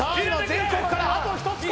全国から「あと１つ」